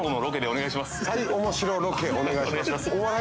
お願いします。